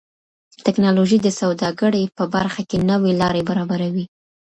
ټکنالوژي د سوداګرۍ په برخه کې نوې لارې برابروي.